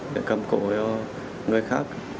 để cầm cố cho người khác